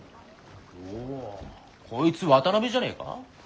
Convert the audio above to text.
おこいつ渡辺じゃねえか？